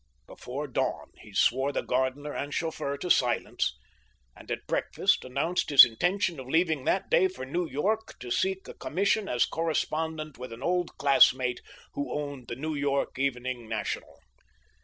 Before dawn he swore the gardener and chauffeur to silence, and at breakfast announced his intention of leaving that day for New York to seek a commission as correspondent with an old classmate, who owned the New York Evening National.